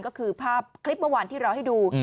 ก็คือภาพคลิปเมื่อวานที่เราให้ดู